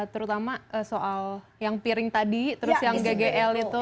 terutama soal yang piring tadi terus yang ggl itu